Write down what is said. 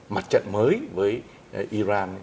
mặt trận mới với iran